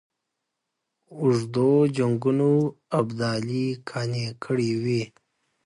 اوږدو جنګونو ابدالي قانع کړی وي.